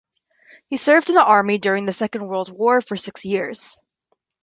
He served in the army during the Second World War for six years.